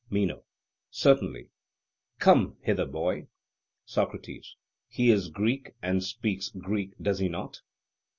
MENO: Certainly. Come hither, boy. SOCRATES: He is Greek, and speaks Greek, does he not?